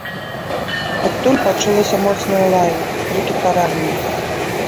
Адтуль пачулася моцная лаянка, крыкі параненых.